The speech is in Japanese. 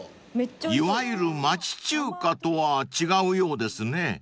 ［いわゆる町中華とは違うようですね］